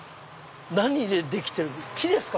何でできてる木ですか？